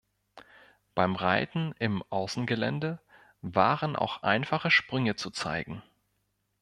Beim Reiten im Außengelände waren auch einfache Sprünge zu zeigen.